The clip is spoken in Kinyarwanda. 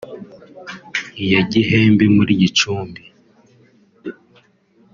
iya Gihembe muri Gicumbi